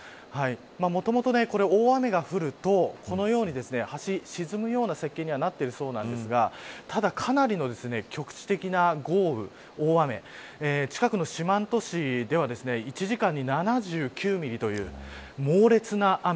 もともと、大雨が降るとこのように橋が沈むような設計には、なっているそうなんですがただ、かなりの局地的な豪雨大雨、近くの四万十市では１時間に７９ミリという猛烈な雨。